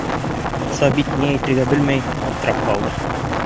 Сабит, ни әйтергә белмәй, аптырап ҡалды.